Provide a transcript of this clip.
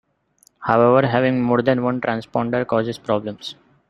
However, having more than one transponder causes problems.